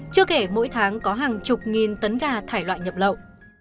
chưa kể mỗi tháng có hàng chục nghìn tấn gà thải loại nhập lậu